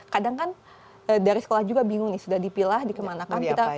kadang kan dari sekolah juga bingung nih sudah dipilah dikemanakan